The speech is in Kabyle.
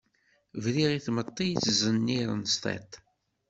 Briɣ i tmetti yettẓenniren s tiṭ.